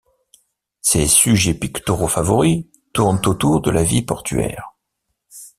Ses sujets picturaux favoris tournent autour de la vie portuaire.